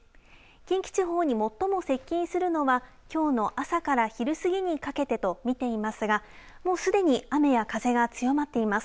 近畿地方に最も接近するのはきょうの朝から昼過ぎにかけてと見ていますがもうすでに雨や風が強まっています。